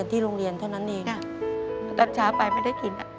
อเรนนี่ต้องมีวัคซีนตัวหนึ่งเพื่อที่จะช่วยดูแลพวกม้ามและก็ระบบในร่างกาย